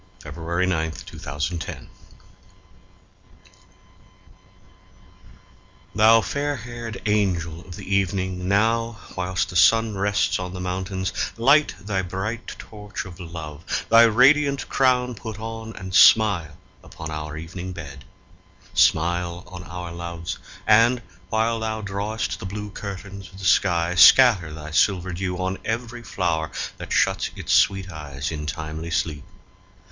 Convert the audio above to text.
William Blake To the Evening Star THOU fair haired Angel of the Evening, Now, whilst the sun rests on the mountains, light Thy bright torch of love thy radiant crown Put on, and smile upon our evening bed! Smile on our loves; and, while thou drawest the Blue curtains of the sky, scatter thy silver dew On every flower that shuts its sweet eyes In timely sleep.